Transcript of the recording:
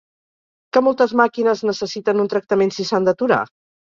Que moltes màquines necessiten un tractament si s’han d’aturar?